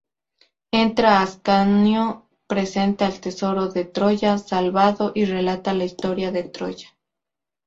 Entra Ascanio, presenta el tesoro de Troya salvado, y relata la historia de Troya.